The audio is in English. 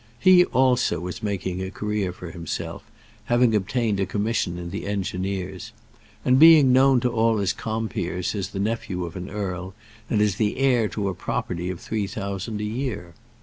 He also was making a career for himself, having obtained a commission in the Engineers, and being known to all his compeers as the nephew of an earl, and as the heir to a property of three thousand a year.